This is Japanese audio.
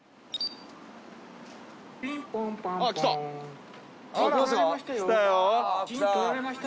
あっきた！